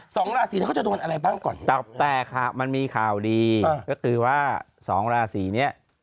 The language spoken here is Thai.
สองราศีนี้เขาจะโดนอะไรบ้างก่อนแต่ค่ะมันมีข่าวดีก็คือว่าสองราศีเนี้ย